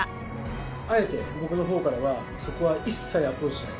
あえて僕のほうからは、そこは一切アプローチしない。